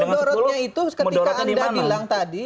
menurutnya itu ketika anda bilang tadi